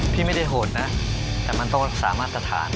พี่ไม่ได้โหดนะแต่มันต้องสามารถสะทาน